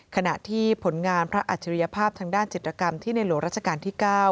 ขณะที่ผลงานพระอัจฉริยภาพทางด้านจิตรกรรมที่ในหลวงราชการที่๙